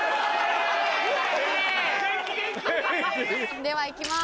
・ではいきます。